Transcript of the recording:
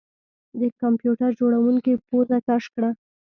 د کمپیوټر جوړونکي پوزه کش کړه